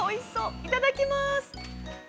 いただきます。